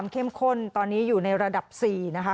ขอเลื่อนสิ่งที่คุณหนูรู้สึก